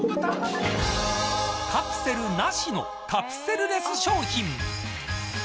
カプセルなしのカプセルレス商品。